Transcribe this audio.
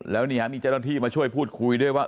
แล้วนี่ฮะมีเจ้าหน้าที่มาช่วยพูดคุยด้วยว่า